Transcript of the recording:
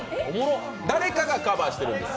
誰かがカバーしてるんです。